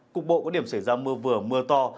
cục bộ có điểm xảy ra mưa vừa mưa to